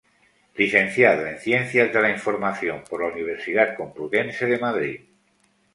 Licenciado en Ciencias de la información por la Universidad Complutense de Madrid.